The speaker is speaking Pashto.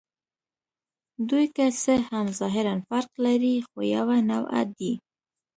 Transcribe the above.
دوی که څه هم ظاهراً فرق لري، خو یوه نوعه دي.